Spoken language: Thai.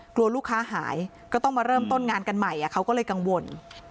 กลัวลูกค้าหายก็ต้องมาเริ่มต้นงานกันใหม่เขาก็เลยกังวล